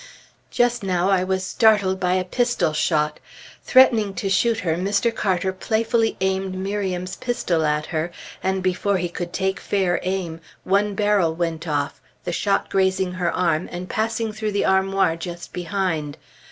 Just now I was startled by a pistol shot. Threatening to shoot her, Mr. Carter playfully aimed Miriam's pistol at her, and before he could take fair aim, one barrel went off, the shot grazing her arm and passing through the armoir just behind.